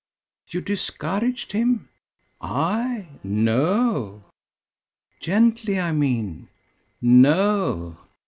"You discouraged him?" "I? No." "Gently, I mean." "No."